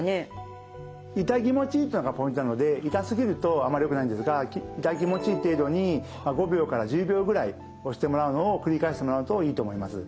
痛気持ちいいというのがポイントなので痛すぎるとあんまりよくないんですが痛気持ちいい程度に５秒から１０秒ぐらい押してもらうのを繰り返してもらうといいと思います。